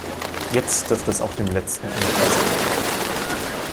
Jetzt dürfte es auch dem Letzten unklar sein.